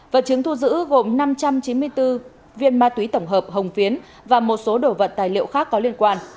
vật chứng thu giữ gồm năm trăm chín mươi bốn viên ma túy tổng hợp hồng phiến và một số đồ vật tài liệu khác có liên quan